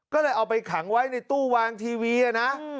ก็เลยเอาไปขังไว้ในตู้วางทีวีนะ